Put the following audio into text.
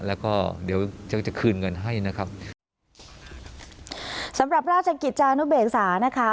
แล้วก็เดี๋ยวจะคืนเงินให้นะครับสำหรับราชกิจจานุเบกษานะคะ